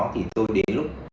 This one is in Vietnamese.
thì tôi đến lúc